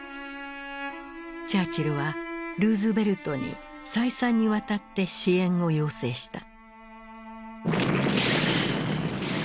チャーチルはルーズベルトに再三にわたって支援を要請した。